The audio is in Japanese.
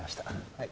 はい